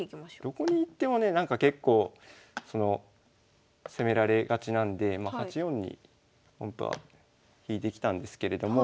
どこに行ってもねなんか結構攻められがちなんでまあ８四にほんとは引いてきたんですけれども。